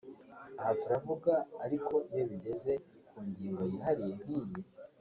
Aha turavuga ariko iyo bigeze ku ngingo yihariye nk’iyi